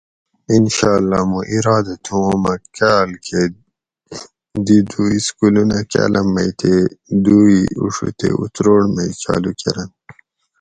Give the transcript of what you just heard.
انشأاللّہ مُوں اِرادہ تھُو اوں مۤہ کاۤل کۤہ دی دو اِسکولونہ کاۤلم مئ تے دو ای اُڛو تے اتروڑ مئ چالو کۤرنت